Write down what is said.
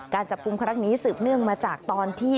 การจับกลุ่มครั้งนี้สืบเนื่องมาจากตอนที่